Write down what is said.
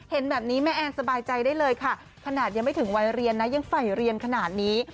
เห็นแบบนี้แม่แอนสบายใจได้เลยค่ะขนาดยังไม่ถึงวัยเรียนนะยังใส่เรียนขนาดนี้